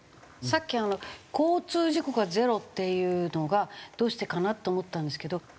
さっき交通事故がゼロっていうのがどうしてかなと思ったんですけど。